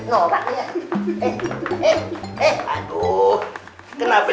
kenapa dia ngumpet disini ketangguhan